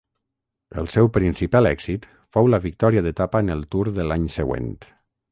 El seu principal èxit fou la victòria d'etapa en el Tour de l'any següent.